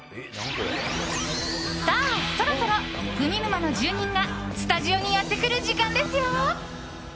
さあ、そろそろグミ沼の住人がスタジオにやってくる時間ですよ。